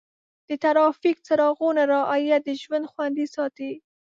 د ټرافیک څراغونو رعایت د ژوند خوندي ساتي.